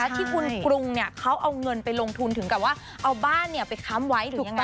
ที่คุณกรุงเขาเอาเงินไปลงทุนถึงกับว่าเอาบ้านไปค้ำไว้หรือยังไง